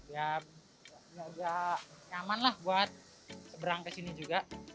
ya agak nyaman lah buat seberang ke sini juga